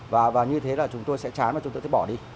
và như thế là chúng tôi sẽ chán mà chúng tôi sẽ bỏ đi